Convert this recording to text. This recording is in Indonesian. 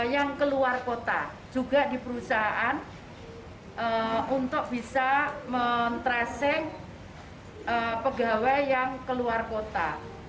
yang keluar kota juga di perusahaan untuk bisa men tracing pegawai yang keluar kota